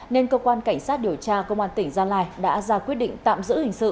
nên cơ quan cảnh sát điều tra công an tỉnh gia lai đã ra quyết định tạm giữ hình sự